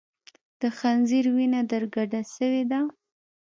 د خنځیر وینه در کډه سوې ده